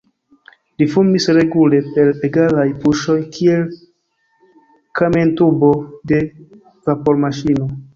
Li fumis regule, per egalaj puŝoj, kiel kamentubo de vapormaŝino.